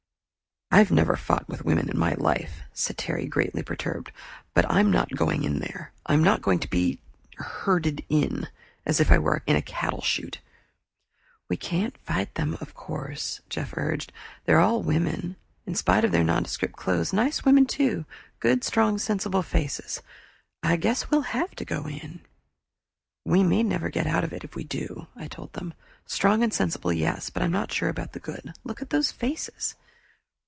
"I never fought with women in my life," said Terry, greatly perturbed, "but I'm not going in there. I'm not going to be herded in as if we were in a cattle chute." "We can't fight them, of course," Jeff urged. "They're all women, in spite of their nondescript clothes; nice women, too; good strong sensible faces. I guess we'll have to go in." "We may never get out, if we do," I told them. "Strong and sensible, yes; but I'm not so sure about the good. Look at those faces!"